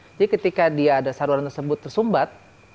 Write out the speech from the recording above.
jadi ketika dia ada saruran tersebut tersumbat